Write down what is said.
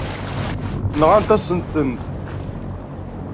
Nɣant-asent-ten.